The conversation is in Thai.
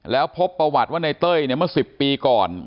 แล้วพบประวัติว่าในเต้ยเนี่ยเมื่อ๑๐ปีก่อน